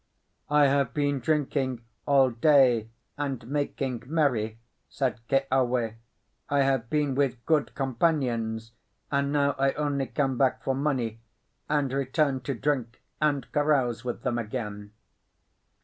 "I have been drinking all day and making merry," said Keawe. "I have been with good companions, and now I only come back for money, and return to drink and carouse with them again."